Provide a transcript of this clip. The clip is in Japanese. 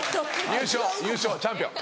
優勝優勝チャンピオン。